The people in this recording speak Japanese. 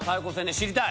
知りたい？